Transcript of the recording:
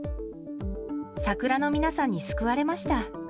サクラの皆さんに救われました。